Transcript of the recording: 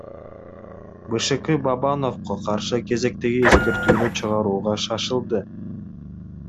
БШК Бабановго каршы кезектеги эскертүүнү чыгарууга шашылды.